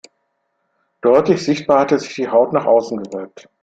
Deutlich sichtbar hatte sich die Haube nach außen gewölbt.